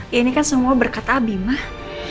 ini kan semua berkat abi mah